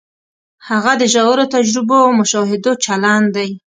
هغه د ژورو تجربو او مشاهدو چلن دی.